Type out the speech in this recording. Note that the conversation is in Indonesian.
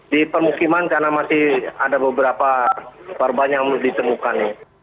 di permukiman karena masih ada beberapa korban yang ditemukan